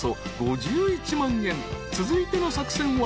［続いての作戦は］